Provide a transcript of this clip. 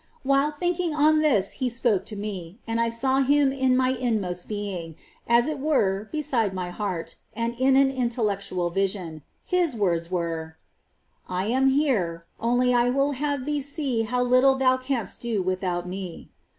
While thinking on this He spoke to me, and I saw Him in my inmost being, as it were beside my heart, in an intellectual vision ; His words were :" I am here, only I will have thee see how little thou canst do without Me."